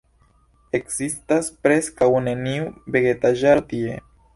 Ekzistas preskaŭ neniu vegetaĵaro tie.